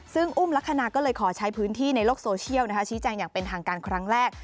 ซึ่งอุ้มลักษณะก็เลยขอใช้พื้นที่ในโลกโซเชียลชี้แจงอย่างเป็นทางการครั้งแรก